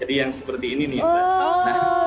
jadi yang seperti ini nih